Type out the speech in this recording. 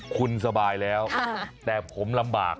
คุณสบายแล้วแต่ผมลำบาก